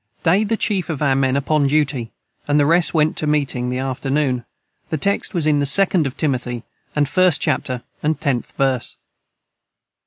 Day the chief of our men upon duty and the rest went to meeting the afternoon the text was in the 2nd of timothy the 1st chapter & 10 verce.